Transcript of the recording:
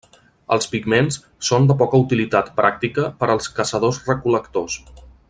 Els pigments són de poca utilitat pràctica per als caçadors-recol·lectors.